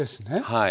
はい。